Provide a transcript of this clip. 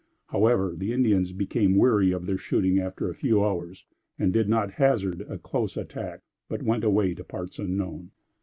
However, the Indians became weary of their shooting after a few hours, and did not hazard a close attack, but went away to parts unknown.